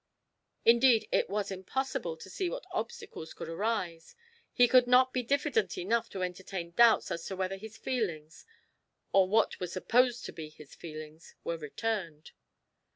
Indeed, it was impossible to see what obstacles could arise; he could not be diffident enough to entertain doubts as to whether his feelings, or what were supposed to be his feelings, were returned.